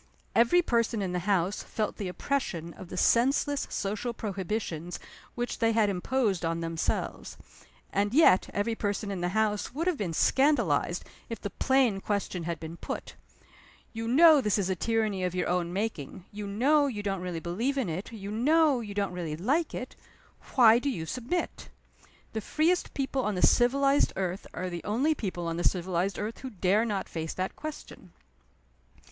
Every person in the house felt the oppression of the senseless social prohibitions which they had imposed on themselves. And yet every person in the house would have been scandalized if the plain question had been put: You know this is a tyranny of your own making, you know you don't really believe in it, you know you don't really like it why do you submit? The freest people on the civilized earth are the only people on the civilized earth who dare not face that question.